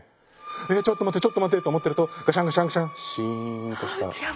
えっちょっと待ってちょっと待ってと思ってるとガシャンガシャンガシャンシーンとした。